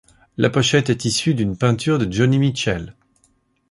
La pochette est issue d'une peinture de Joni Mitchell.